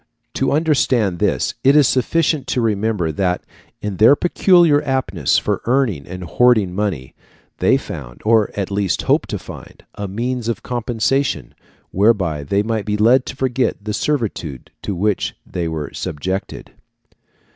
To understand this it is sufficient to remember that, in their peculiar aptness for earning and hoarding money, they found, or at least hoped to find, a means of compensation whereby they might be led to forget the servitude to which they were subjected.